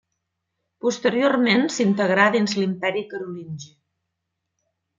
Posteriorment s'integrà dins l'Imperi Carolingi.